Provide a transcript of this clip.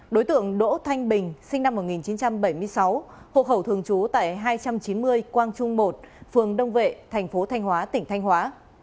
đối tượng đỗ thanh bình sinh năm một nghìn chín trăm bảy mươi sáu hộ khẩu thường trú tại hai trăm chín mươi quang trung một phường đông vệ thành phố thanh hóa tỉnh thanh hóa